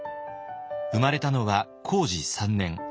生まれたのは弘治３年。